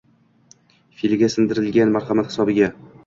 fe'liga singdirnlgan marhamat hisobiga